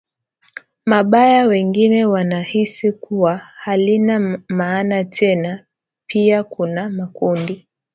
mabaya wengine wanahisi kuwa halina maana tena Pia kuna makundi